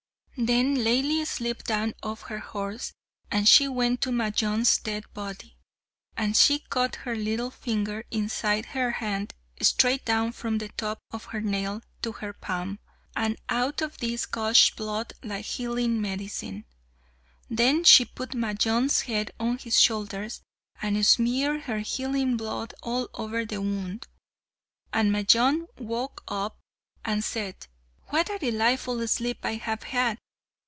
Then Laili slipped down off her horse, and she went to Majnun's dead body, and she cut her little finger inside her hand straight down from the top of her nail to her palm, and out of this gushed blood like healing medicine. Then she put Majnun's head on his shoulders, and smeared her healing blood all over the wound, and Majnun woke up and said, "What a delightful sleep I have had!